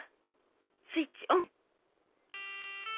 スイッチオン！